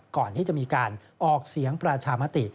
ก่อนที่จะมีการออกเสียงประชามติ